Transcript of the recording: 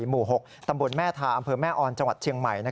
หมู่๖ตำบลแม่ทาอำเภอแม่ออนจังหวัดเชียงใหม่